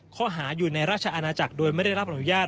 ข้อหาอยู่ในราชอาณาจักรโดยไม่ได้รับอนุญาต